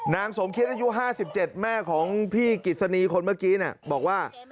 นางสมคิดอายุ๕๗แม่ของพี่กิจสนีคนเมื่อกี้บอกว่า